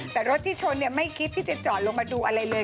แต่รถที่ชนไม่คิดที่จะจอดลงมาดูอะไรเลย